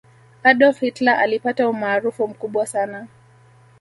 adolf hitler alipata umaarufu mkubwa sana